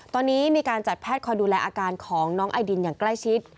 ตอนนี้มีการจัดแพทย์คอยดูแลอาการของน้องไอดินอย่างใกล้ชิด